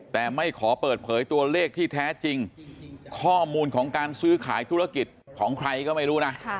แต่ไม่ขอเปิดเผยตัวเลขที่แท้จริงข้อมูลของการซื้อขายธุรกิจของใครก็ไม่รู้นะ